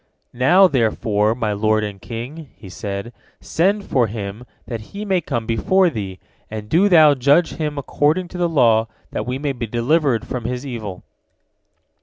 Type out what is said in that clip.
"Now, therefore, my lord and king," he said, "send for him that he may come before thee, and do thou judge him according to the law, that we may be delivered from his evil."